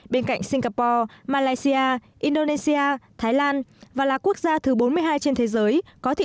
bên cạnh singapore malaysia indonesia thái lan và là quốc gia thứ bốn mươi hai trên thế giới